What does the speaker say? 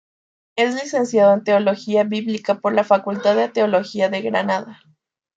Es licenciado en Teología Bíblica por la Facultad de Teología de Granada.